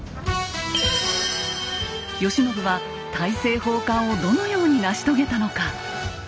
慶喜は大政奉還をどのように成し遂げたのか。